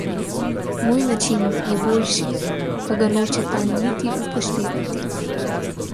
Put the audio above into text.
Moj način je boljši, pa ga nočeta niti upoštevati.